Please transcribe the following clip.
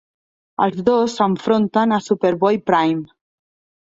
Els dos s'enfronten a Superboy-Prime.